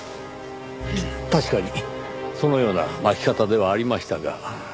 確かにそのような巻き方ではありましたが。